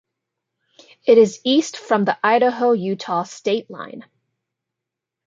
It is east from the Idaho-Utah state line.